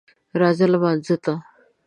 راځه لمانځه ته